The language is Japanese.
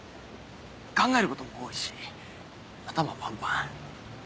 考えることも多いし頭パンパン。